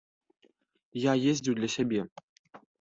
Я ездзіў для сябе.